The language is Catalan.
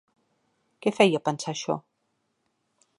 Què feia pensar això?